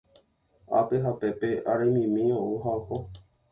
Ápe ha pépe araimimi ou ha oho.